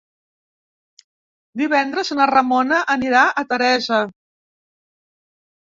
Divendres na Ramona anirà a Teresa.